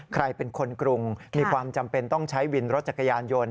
ใครเป็นคนกรุงมีความจำเป็นต้องใช้วินรถจักรยานยนต์